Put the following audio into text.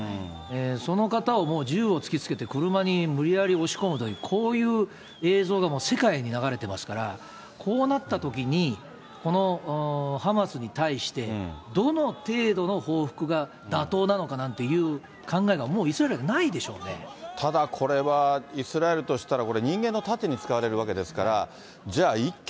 その方をもう銃を突きつけて車に無理やり押し込むという、こういう映像がもう世界に流れてますから、こうなったときに、このハマスに対して、どの程度の報復が妥当なのかなんていう考えがもうイスラエルがなただ、これはイスラエルとしあと１周！